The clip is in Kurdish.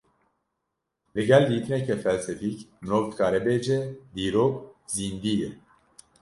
Li gel dîtineke felsefîk, mirov dikare bêje dîrok zîndî ye